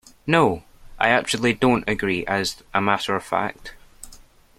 No, I absolutely don't agree, as a matter of fact